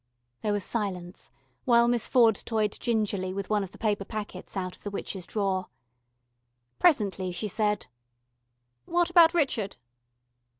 There was silence, while Miss Ford toyed gingerly with one of the paper packets out of the witch's drawer. Presently she said: "What about Richard?"